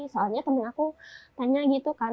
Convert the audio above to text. soalnya temen aku tanya gitu kan